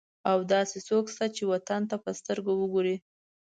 اوس داسې څوک شته چې وطن ته په سترګه وګوري.